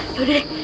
ah yaudah deh